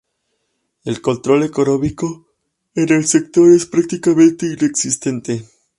El control económico en el sector es prácticamente inexistente.